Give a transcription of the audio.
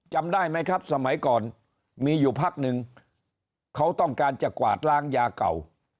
จำได้ไหมครับสมัยก่อนมีอยู่พักนึงเขาต้องการจะกวาดล้างยาเก่า